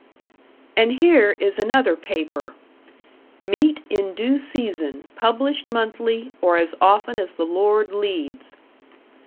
And here is another paper. "Meat in Due Season: published monthly, or as often as the Lord leads."